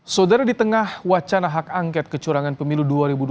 saudara di tengah wacana hak angket kecurangan pemilu dua ribu dua puluh